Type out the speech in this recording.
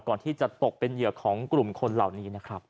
ก่อนที่จะตกเป็นเหยื่อของกลุ่มคนเหล่านี้นะครับ